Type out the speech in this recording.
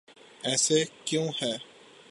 ایسا کیوں ہے؟